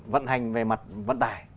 vận hành về mặt vận tải